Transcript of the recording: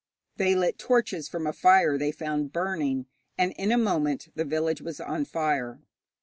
They lit torches from a fire they found burning, and in a moment the village was on fire.